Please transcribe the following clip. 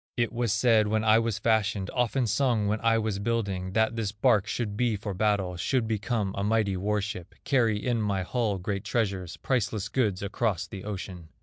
It was said when I was fashioned, Often sung when I was building, That this bark should be for battle, Should become a mighty war ship, Carry in my hull great treasures, Priceless goods across the ocean.